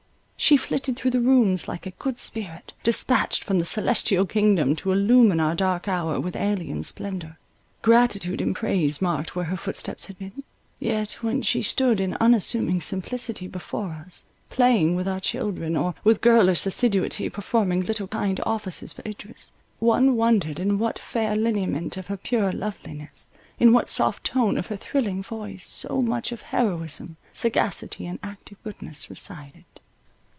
She flitted through the rooms, like a good spirit, dispatched from the celestial kingdom, to illumine our dark hour with alien splendour. Gratitude and praise marked where her footsteps had been. Yet, when she stood in unassuming simplicity before us, playing with our children, or with girlish assiduity performing little kind offices for Idris, one wondered in what fair lineament of her pure loveliness, in what soft tone of her thrilling voice, so much of heroism, sagacity and active goodness resided.